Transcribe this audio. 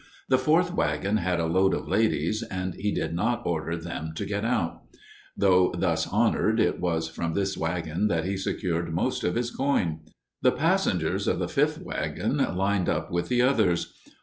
The fourth wagon had a load of ladies, and he did not order them to get out. Tho thus honored it was from this wagon that he secured most of his coin. The passengers of the fifth wagon "lined up" with the others.